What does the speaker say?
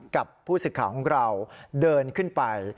กับผู้ศึกขาของเราเดินขึ้นไป